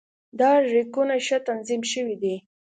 دا ریکونه ښه تنظیم شوي دي.